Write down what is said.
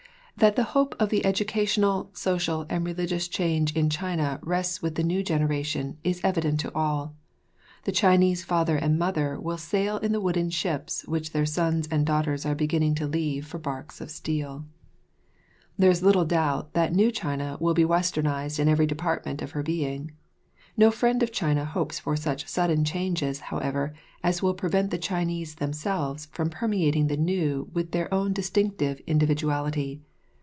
That the hope of the educational, social, and religious change in China rests with the new generation is evident to all. The Chinese father and mother will sail in the wooden ships which their sons and daughters are beginning to leave for barks of steel. There is little doubt that new China will be Westernised in every department of her being. No friend of China hopes for such sudden changes, however, as will prevent the Chinese themselves from permeating the new with their own distinctive individuality.